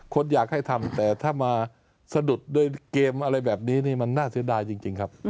คนอยากให้ทำแต่ถ้ามาสะดุดโดยเกมอะไรแบบนี้นี่มันน่าเสียดายจริงครับ